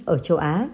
ở châu á